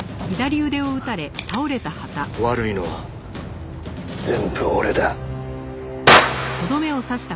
悪いのは全部俺だ。